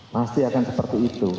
masih akan seperti itu